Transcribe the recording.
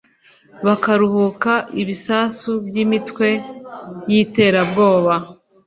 bakaruhuka ibisasu by’imitwe y’iterabwoba